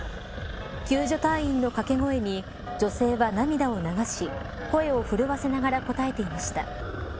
救助隊員の掛け声に女性は涙を流し声を震わせながら答えていました。